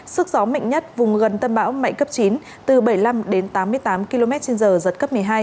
sức gió mạnh nhất vùng gần tâm bão mạnh cấp chín từ bảy mươi năm đến tám mươi tám km trên giờ giật cấp một mươi hai